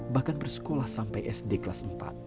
bahkan bersekolah sampai sd kelas empat